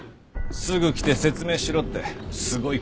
すぐ来て説明しろってすごい剣幕でした。